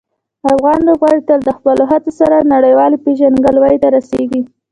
افغان لوبغاړي تل د خپلو هڅو سره نړیوالې پېژندګلوۍ ته رسېږي.